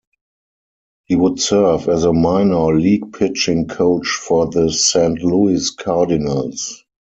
He would serve as a minor-league pitching coach for the Saint Louis Cardinals.